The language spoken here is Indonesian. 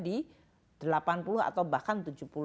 di delapan puluh atau bahkan